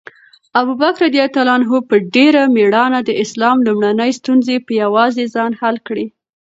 ابوبکر رض په ډېره مېړانه د اسلام لومړنۍ ستونزې په یوازې ځان حل کړې.